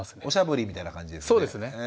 おしゃぶりみたいな感じですね。